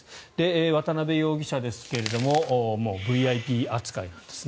渡邉容疑者ですがもうＶＩＰ扱いなんですね。